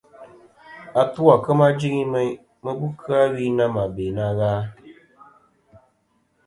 Atu à kema jɨŋi meyn, mɨ bu kɨ-a wi na mɨ be na gha.